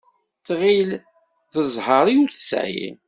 Tɣill d ẓẓher i ur tesεi.